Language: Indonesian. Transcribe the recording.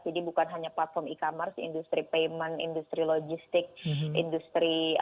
jadi bukan hanya platform e commerce industri payment industri logistik industri